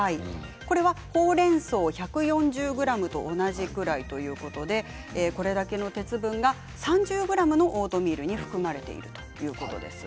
これはほうれんそう１４０ｇと同じくらいということでこれだけの鉄分が３０ｇのオートミールに含まれているということです。